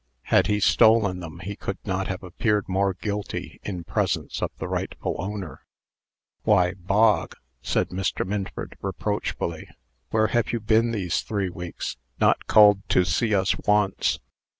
Had he stolen them, he could not have appeared more guilty in presence of the rightful owner. "Why, Bog!" said Mr. Minford, reproachfully; "where have you been these three weeks? Not called to see us once!"